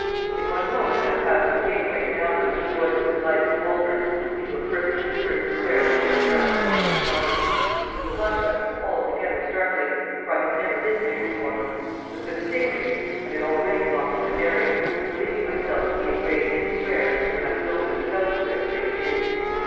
In one moment I passed through gateway and alley from the voices and lights of Holborn into a perfectly deserted square of bare ground and bright stars. The contrast was altogether startling, for I had never been there before; but for the same reason I had already lost my bearings, believing myself to be in Gray's Inn Square when I was only in South Square, Gray's Inn.